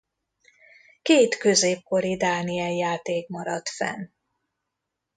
Két középkori Dániel-játék maradt fenn.